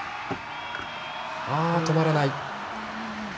止まらない。